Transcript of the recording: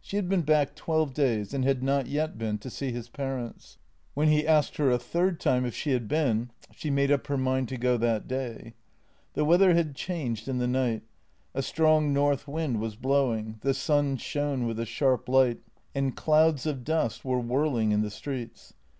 She had been back twelve days and had not yet been to see his parents; when he asked her a third time if she had been, she made up her mind to go next day. The weather had changed in the night; a strong north wind was blowing, the sun shone with a sharp light, and clouds of dust were whirling in the streets.